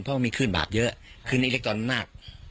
เพราะว่ามีคลื่นบากเยอะคลื่นอิเล็กตรอนมาก